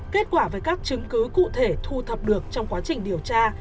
kết quả với các chứng cứ cụ thể thu thập được trong quá trình điều tra